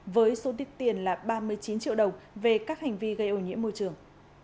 với số tiết tiền là ba mươi chín triệu đồng về các hành vi gây ô nhiễm môi trường